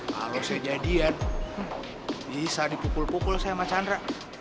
kalau saya jadian bisa dipukul pukul sama chandra